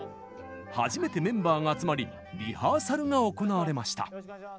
初めてメンバーが集まりリハーサルが行われました。